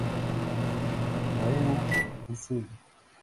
Kohei Usui